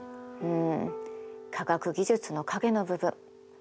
うん科学技術の影の部分。